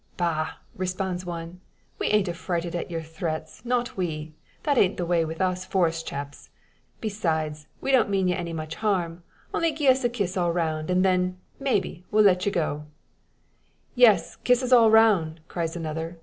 "Bah!" responds one, "we an't a frightened at yer threats not we. That an't the way wi' us Forest chaps. Besides, we don't mean ye any much harm. Only gi'e us a kiss all round, an' then maybe, we'll let ye go." "Yes; kisses all round!" cries another.